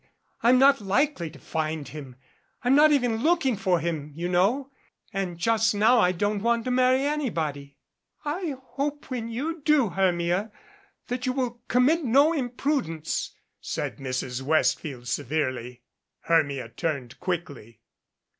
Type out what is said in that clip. I'm not likely to find him. I'm not even looking for him, you know, and just now I don't want to marry anybody." "I only hope when you do, Hermia, that you will com mit no imprudence," said Mrs. Westfield severely. Hermia turned quickly.